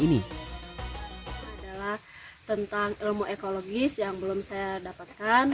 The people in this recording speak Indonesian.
ini adalah tentang ilmu ekologis yang belum saya dapatkan